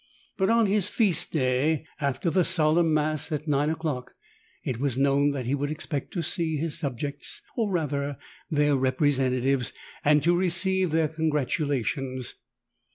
But on his feast day, after the Solemn Mass at nine o'clock, it was known that he would expect to see his sub jects, or rather their representatives, and to receive their congratulations.